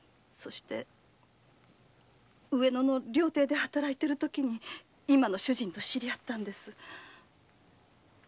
上野の料亭で働いているときに今の主人と知り合ったんです。